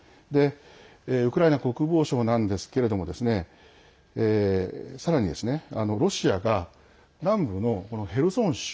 ウクライナ国防省なんですがさらにロシアが南部のヘルソン州